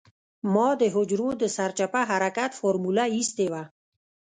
ما د حجرو د سرچپه حرکت فارموله اېستې وه.